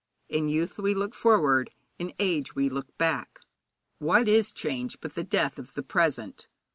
In youth we look forward, in age we look back. What is change but the death of the present?